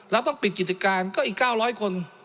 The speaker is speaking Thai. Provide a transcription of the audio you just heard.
ต้องปิดกิจการก็อีก๙๐๐คน